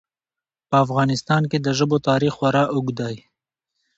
په افغانستان کې د ژبو تاریخ خورا اوږد دی.